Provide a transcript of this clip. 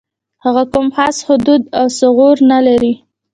هغه کوم خاص حدود او ثغور نه لري.